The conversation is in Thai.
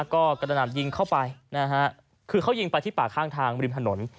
ก็กระหน่ำยิงเข้าไปนะฮะคือเขายิงไปที่ป่าข้างทางริมถนน